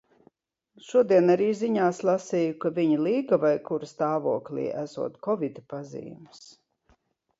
Šodien arī ziņās lasīju, ka viņa līgavai, kura stāvoklī, esot kovida pazīmes.